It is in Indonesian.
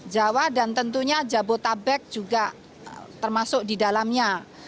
jawa dan tentunya jabotabek juga termasuk di dalamnya